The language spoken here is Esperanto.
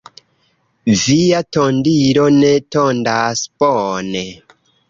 Via tondilo ne tondas bone.